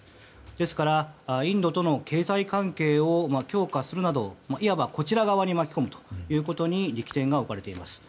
ですから、インドとの経済関係を強化するなどいわば、こちら側に巻き込むことに力点が置かれています。